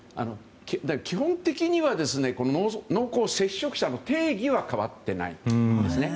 基本的には濃厚接触者の定義は変わっていないんですね。